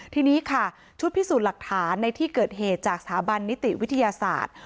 ทีนี้ค่ะชุดพิสูจน์หลักฐานในที่เกิดเหตุจากสถาบันนิติวิทยาศาสตร์